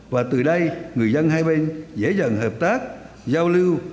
và từ đây người dân hai bên dễ dàng hợp tác giao lưu